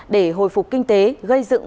để hồi phục kinh tế gây dựng